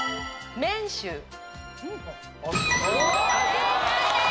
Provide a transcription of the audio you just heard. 正解です！